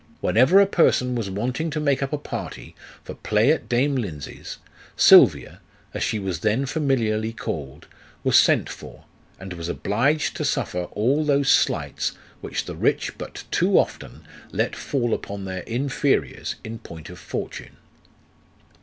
Whenever a person was wanting to make up a party for play at dame Lindsey's, Sylvia, as she was then familiarly called, was sent for, and was obliged to suffer all those slights which the rich but too often let fall upon their inferiors in point of fortune.